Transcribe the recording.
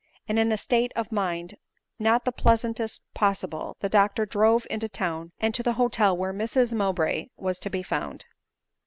And in a state of mind not the pleasantest possible the doctor drove into town, and to the hotel where Mrs Mowbray was to be found.